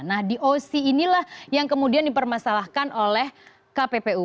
nah doc inilah yang kemudian dipermasalahkan oleh kppu